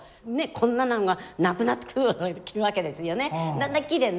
こんななのがなくなってくるわけですよね。